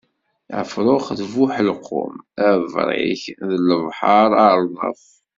Afṛux bu uḥelqum, abṛik n lebḥeṛ, aṛdaf.